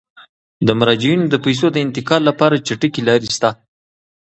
د مراجعینو د پيسو د انتقال لپاره چټکې لارې شته.